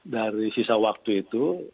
dari sisa waktu itu